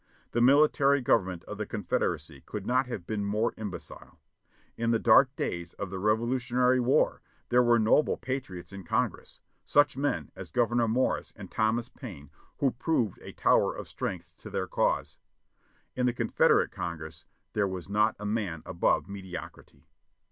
The military government of the Confederacy could not have been more imbecile. In the dark days of the Revolutionary War there were noble patriots in Congress : such men as Governor Morris and Thomas Payne, who proved a tower of strength to their cause. In the Confederate Congress there was not a man above mediocrity.